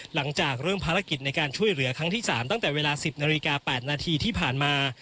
หลังจากเริ่มภารกิจในการช่วยเหลือครั้งที่๓ตั้งแต่เวลา๑๐นาฬิกา๘นาทีที่ผ่านมา